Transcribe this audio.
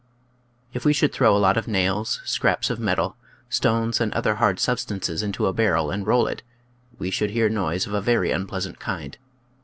If we should throw a lot of nails, scraps of metal, stones, and other hard substances into a barrel and roll it, we should hear noise of a very unpleasant kind.